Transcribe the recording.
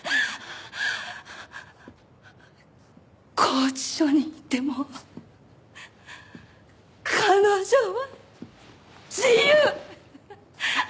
拘置所にいても彼女は自由！